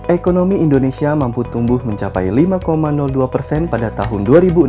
ekonomi indonesia mampu tumbuh mencapai lima dua persen pada tahun dua ribu enam belas